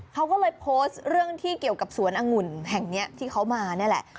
เขาก็เลยโพสต์เรื่องที่เกี่ยวกับสวนองุ่นแห่งนี้ที่เขามานี่แหละ